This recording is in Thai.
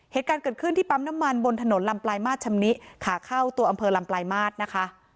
เหตุการณ์เกิดขึ้นที่ปั๊มน้ำมันบนถนนลำปลายมาตรชำนิขาเข้าตัวอำเภอลำปลายมาตรนะคะ